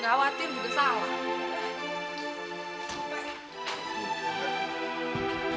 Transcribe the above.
nggak khawatir mungkin salah